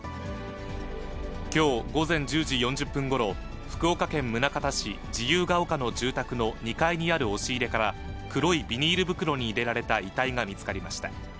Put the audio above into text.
きょう午前１０時４０分ごろ、福岡県宗像市自由ケ丘の住宅の２階にある押し入れから黒いビニール袋に入れられた遺体が見つかりました。